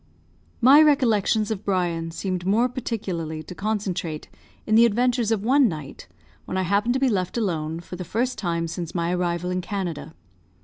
My recollections of Brian seemed more particularly to concentrate in the adventures of one night, when I happened to be left alone, for the first time since my arrival in Canada.